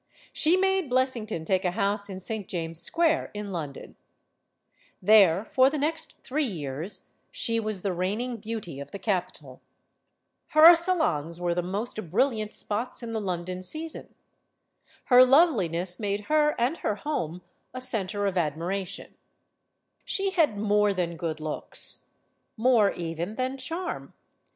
She made 214 STORIES OF THE SUPER WOMEN filessington take a house in St. James' Square, in Lon don There, for the next three years, she was the reigning beauty of the capital. Her salons were the most bril liant spots in the London season. Her loveliness made her and her home a center of admiration. She had more than good looks; more, even, than charm.